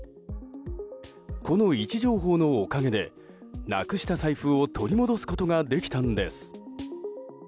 この位置情報のおかげでなくした財布を取り戻すことができたんです。